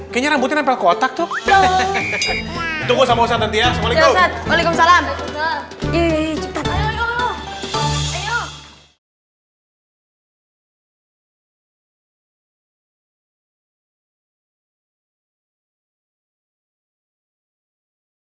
kayaknya rambutnya nempel kotak tuh itu gue sama ustadz nanti ya assalamualaikum